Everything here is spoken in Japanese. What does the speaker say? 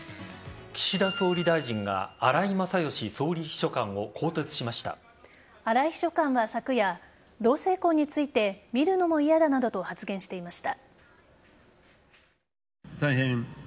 岸田総理大臣が荒井勝喜総理秘書官を荒井秘書官は昨夜、同性婚について見るのも嫌だなどと発言していました。